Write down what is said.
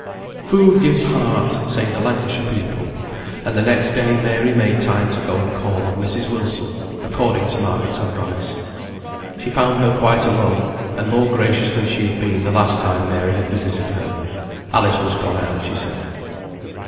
"Food gives heart," say the Lancashire people; and the next day Mary made time to go and call on Mrs. Wilson, according to Margaret's advice. She found her quite alone, and more gracious than she had been the last time Mary had visited her. Alice was gone out, she said.